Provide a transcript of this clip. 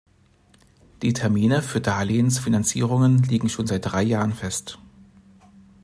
Die Termine für Darlehensfinanzierungen liegen schon seit drei Jahren fest.